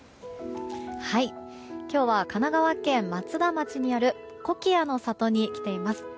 今日は神奈川県松田町にあるコキアの里に来ています。